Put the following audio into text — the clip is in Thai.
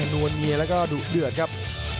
นวลเนียแล้วก็ดุเดือดครับ